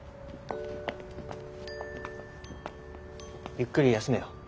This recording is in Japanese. ゆっくり休めよ。